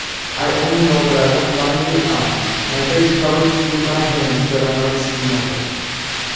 I only know that I went blindly on, my face covered with my hands that I might see nothing.